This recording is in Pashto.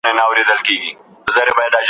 کوربه هیواد د نړیوالي محکمې پریکړه نه ردوي.